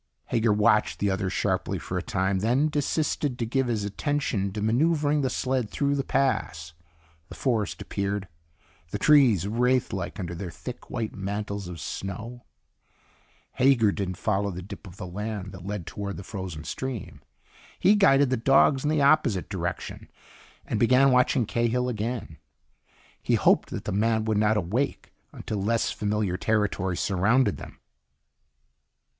Hager watched the other sharply for a time, then desisted to give his attention to maneuvering the sled through the pass. The forest appeared, the trees wraith like under their thick, white mantles of snow. Hager didn't follow the dip in the land that led toward the frozen stream. He guided the dogs in the opposite direction and began watching Cahill again. He hoped that the man would not awake until less familiar territory surrounded them.